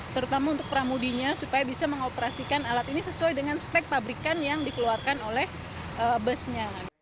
terutama untuk pramudinya supaya bisa mengoperasikan alat ini sesuai dengan spek pabrikan yang dikeluarkan oleh busnya